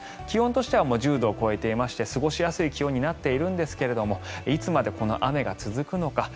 気温としては１０度を超えていまして過ごしやすい気温にはなっているんですがいつまでこの雨が続くのか。